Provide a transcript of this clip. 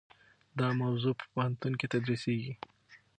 دا موضوع په پوهنتون کې تدریسیږي.